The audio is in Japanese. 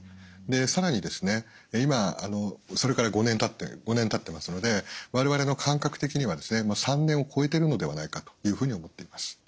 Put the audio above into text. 更に今それから５年たってますので我々の感覚的には３年を超えてるのではないかというふうに思っています。